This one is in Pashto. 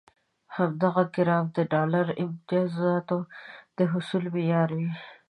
همدغه ګراف د ډالري امتیازاتو د حصول معیار وي.